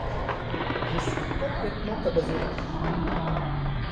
Je suis complètement abasourdi.